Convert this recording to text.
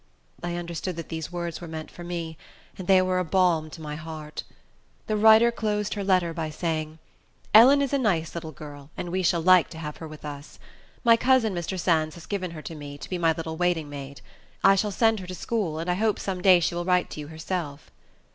I understood that these words were meant for me; and they were a balsam to my heart. The writer closed her letter by saying, "Ellen is a nice little girl, and we shall like to have her with us. My cousin, Mr. Sands, has given her to me, to be my little waiting maid. I shall send her to school, and I hope some day she will write to you herself."